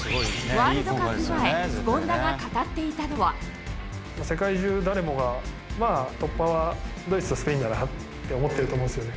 ワールドカップ前、権田が語世界中、誰もが、突破はドイツとスペインだなって思ってると思うんですよね。